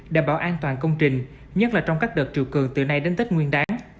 đảm bảo an toàn công trình nhất là trong các đợt triều cường từ nay đến tết nguyên đáng